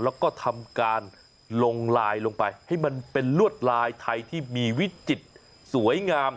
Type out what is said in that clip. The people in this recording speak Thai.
แล้วก็ทำการลงลายลงไปให้มันเป็นลวดลายไทยที่มีวิจิตรสวยงาม